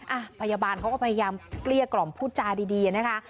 อ่ะพยาบาลเขาก็พยายามเกลี้ยกล่อมพูดจาดีนะคะ